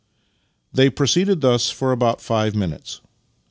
They proceeded thus for about five minutes.